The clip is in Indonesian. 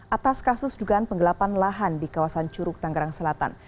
atas kasus dugaan penggelapan lahan di kawasan curug tanggerang selatan